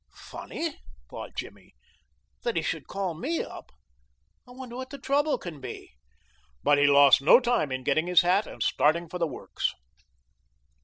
"Funny," thought Jimmy, "that he should call me up. I wonder what the trouble can be." But he lost no time in getting his hat and starting for the works.